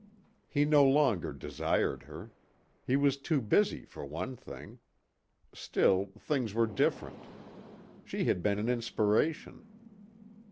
He no longer desired her. He was too busy for one thing. Still, things were different. She had been an inspiration.